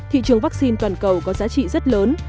thị trường vắc xin toàn cầu có giá trị rất lớn